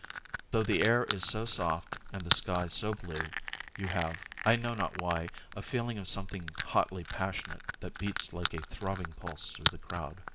Though the air is so soft and the sky so blue, you have, I know not why, a feeling of something hotly passionate that beats like a throbbing pulse through the crowd.